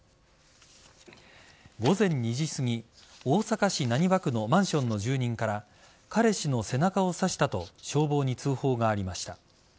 午前２時すぎ大阪市浪速区のマンションの住人から彼氏の背中を刺したと消防に通報がありました。